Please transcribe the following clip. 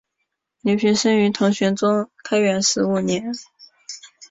刘怦生于唐玄宗开元十五年。